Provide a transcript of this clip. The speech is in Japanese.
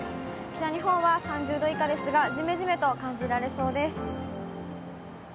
北日本は３０度以下ですが、じめじめと感じられそうです。